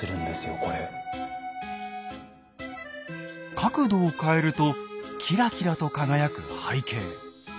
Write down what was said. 角度を変えるとキラキラと輝く背景。